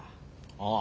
ああ。